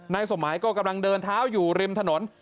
สมัยก็กำลังเดินเท้าอยู่ริมถนน